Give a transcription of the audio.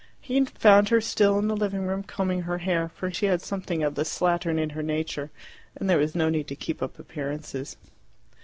He found her still in the living room, combing her hair, for she had something of the slattern in her nature, and there was no need to keep up appearances.